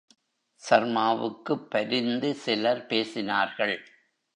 சர்மாவுக்குப் பரிந்து சிலர் பேசினார்கள்.